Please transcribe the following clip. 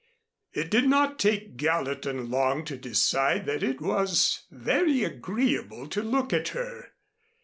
It did not take Gallatin long to decide that it was very agreeable to look at her.